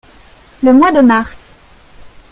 Le mois de mars.